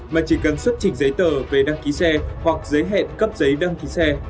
mà chỉ cần xuất trình giấy tờ về đăng ký xe hoặc giới hẹn cấp giấy đăng ký xe